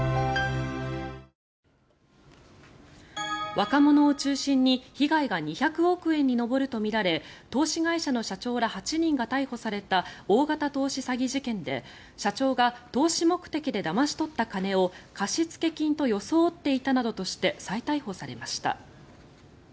若者を中心に被害が２００億円に上るとみられ投資会社の社長ら８人が逮捕された大型投資詐欺事件で社長が投資目的でだまし取った金を貸付金と装っていたなどとして再逮捕されました。